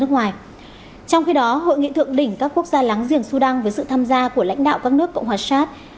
hội nghị thượng đỉnh các quốc gia láng giềng sudan với sự tham gia của lãnh đạo các nước cộng hòa shad